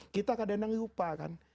kita kadang kadang lupa kan